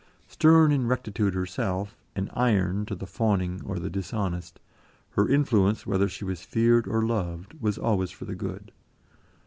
Stern in rectitude herself, and iron to the fawning or the dishonest, her influence, whether she was feared or loved, was always for good.